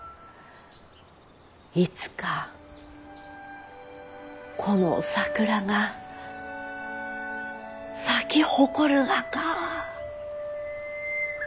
いつかこの桜が咲き誇るがか。